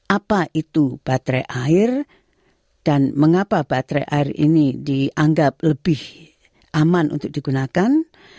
apa itu baterai air dan mengapa baterai air ini dianggap lebih aman untuk digunakan